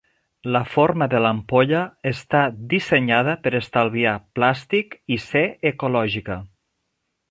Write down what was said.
La forma de l'ampolla està dissenyada per estalviar plàstic i ser ecològica.